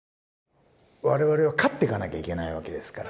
我々は勝っていかなきゃいけないわけですから。